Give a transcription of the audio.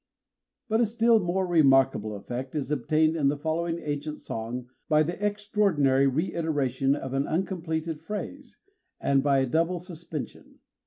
But a still more remarkable effect is obtained in the following ancient song by the extraordinary reiteration of an uncompleted phrase, and by a double suspension.